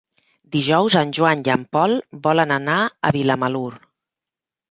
Dijous en Joan i en Pol volen anar a Vilamalur.